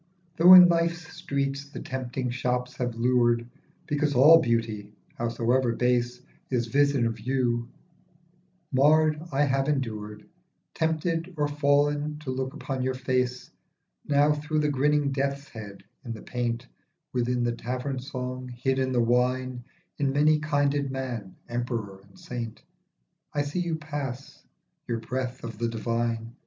THOUGH in life's streets the tempting shops have lured Because all beauty, howsoever base, Is vision of you, marred, I have endured, Tempted or fall'n, to look upon your face. Now through the grinning death's head in the paint, Within the tavern song, hid in the wine, In many kinded man, emperor and saint, I see you pass, you;.breath of the divine.